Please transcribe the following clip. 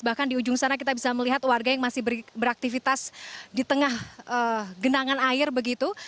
bahkan di ujung sana kita bisa melihat warga yang masih beraktivitas di tengah genangan air begitu